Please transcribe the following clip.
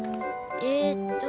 えっと